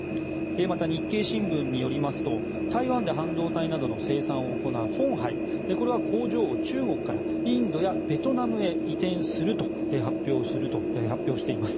また日本経済新聞によりますと台湾で半導体などの生産を行う鴻海は、工場を中国からインドやベトナムへ移転すると発表しています。